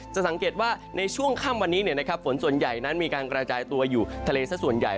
สังเกตว่าในช่วงค่ำวันนี้ฝนส่วนใหญ่นั้นมีการกระจายตัวอยู่ทะเลสักส่วนใหญ่